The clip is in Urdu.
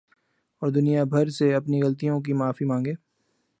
اور دنیا بھر سے اپنی غلطیوں کی معافی ما نگے